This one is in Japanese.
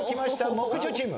木１０チーム。